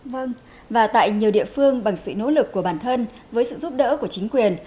vâng và tại nhiều địa phương bằng sự nỗ lực của bản thân với sự giúp đỡ của chính quyền